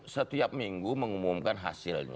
setiap minggu mengumumkan hasilnya